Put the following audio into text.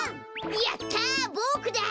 やったボクだ！